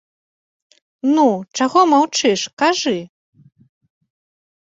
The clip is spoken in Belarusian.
Ну, чаго маўчыш, кажы.